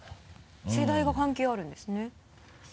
世代が関係あるんですね？